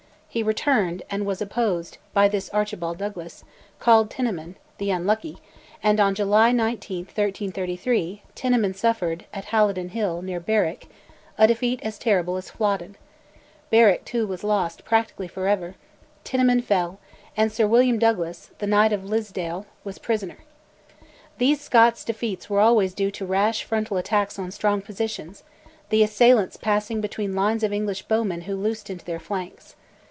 He returned, and was opposed by this Archibald Douglas, called Tineman, the Unlucky, and on July 19, 1333, Tineman suffered, at Halidon Hill, near Berwick, a defeat as terrible as Flodden; Berwick, too, was lost, practically for ever, Tineman fell, and Sir William Douglas, the Knight of Liddesdale, was a prisoner. These Scots defeats were always due to rash frontal attacks on strong positions, the assailants passing between lines of English bowmen who loosed into their flanks.